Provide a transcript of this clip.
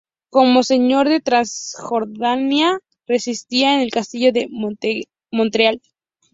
Como señor de Transjordania residía en el castillo de Montreal.